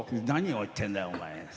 何を言ってるんだよ！